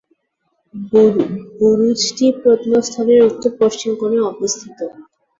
বুরুজটি প্রত্নস্থলের উত্তর-পশ্চিম কোণে অবস্থিত।